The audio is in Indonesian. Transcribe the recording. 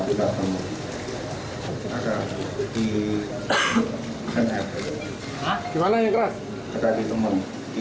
kompetensi di hak kita teman